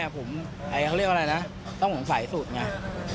ผมเขาเรียกว่าอะไรนะต้องสงสัยสุดไง